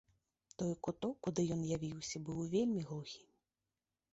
Той куток, куды ён явіўся, быў вельмі глухі.